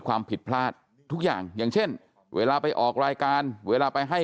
ความผิดพลาดทุกอย่างอย่างเช่นเวลาไปออกรายการเวลาไปให้